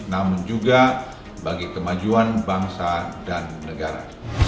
namun juga bagi kemajuan bangsa dan negara